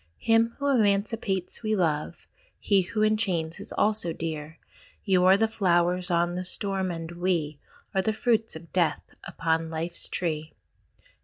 Him who emancipates we love, He who enchains is also dear: You are the Flowers of the Storm, and we, We are the Fruits of Death upon Life's tree.